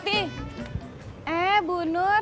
kok udah berani ngapain harus hazel ngelenggar